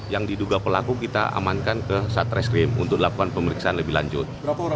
yang diduga pelaku kita amankan ke satreskrim untuk dilakukan pemeriksaan lebih lanjut